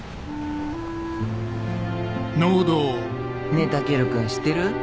ねえ剛洋君知ってる？